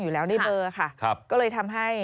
อยู่ในเบอร์ค่ะก็เลยทำให้